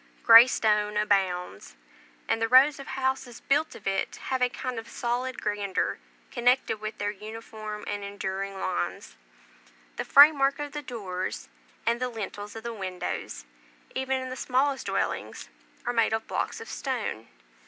Grey stone abounds; and the rows of houses built of it have a kind of solid grandeur connected with their uniform and enduring lines. The frame work of the doors, and the lintels of the windows, even in the smallest dwellings, are made of blocks of stone.